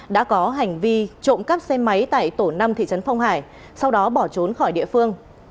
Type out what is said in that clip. đã có hành vi trộm cắp xe máy tại tổ năm thị trấn phong hải sau đó bỏ trốn khỏi địa phương